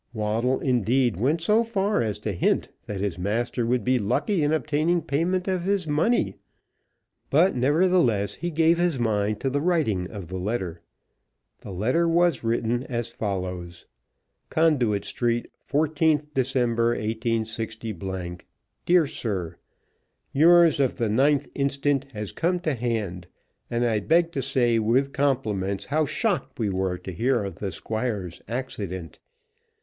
Waddle indeed went so far as to hint that his master would be lucky in obtaining payment of his money, but, nevertheless, he gave his mind to the writing of the letter. The letter was written as follows: Conduit Street, 14th December, 186 . DEAR SIR, Yours of the 9th instant has come to hand, and I beg to say with compliments how shocked we were to hear of the Squire's accident.